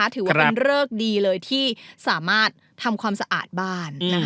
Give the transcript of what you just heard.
ถือว่าเป็นเริกดีเลยที่สามารถทำความสะอาดบ้าน